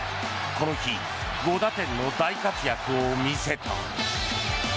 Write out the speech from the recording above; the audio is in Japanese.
この日５打点の大活躍を見せた。